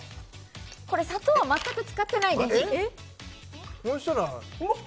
これ砂糖はまったく使ってないですえっ